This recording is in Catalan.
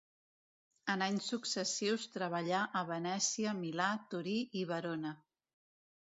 En anys successius treballà a Venècia, Milà, Torí i Verona.